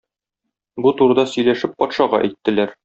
Бу турыда сөйләшеп патшага әйттеләр.